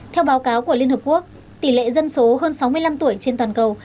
theo báo cáo của liên hợp quốc tỷ lệ dân số hơn sáu mươi năm tuổi trên toàn cầu